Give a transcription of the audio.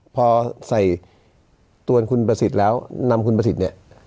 พอใส่ตัวคุณประสิทธิ์แล้วนำคุณประสิทธิ์เนี่ย